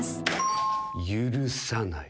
許さない。